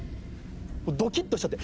ドキッとしちゃって。